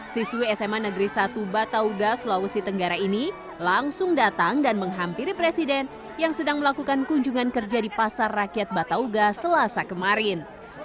siswi sma negeri satu batauga sulawesi tenggara ini langsung datang dan menghampiri presiden yang sedang melakukan kunjungan kerja di pasar rakyat batauga selasa kemarin